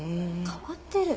変わってる？